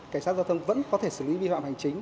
cảnh sát giao thông vẫn có thể xử lý vi phạm hành chính